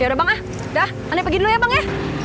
yaudah bang ah sudah anda pergi dulu ya bang ya